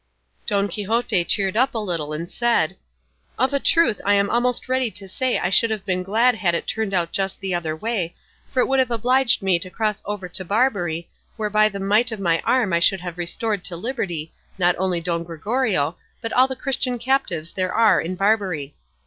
Don Quixote cheered up a little and said, "Of a truth I am almost ready to say I should have been glad had it turned out just the other way, for it would have obliged me to cross over to Barbary, where by the might of my arm I should have restored to liberty, not only Don Gregorio, but all the Christian captives there are in Barbary.